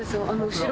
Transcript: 後ろ。